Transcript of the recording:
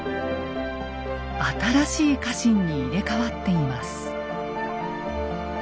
新しい家臣に入れ代わっています。